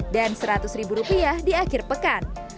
dan seratus rupiah di akhir pekan